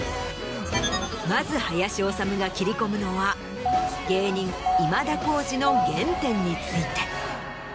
まず林修が切り込むのは芸人今田耕司の原点について。